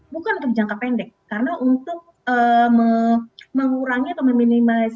bukan untuk jangka pendek karena untuk mengurangi atau meminimalisir